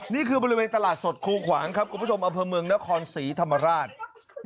นี่คือบริเวณตลาดสดคูขวางครับคุณผู้ชมอำเภอเมืองนครศรีธรรมราช